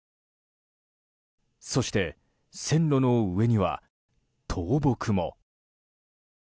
そして線路の上には倒木も。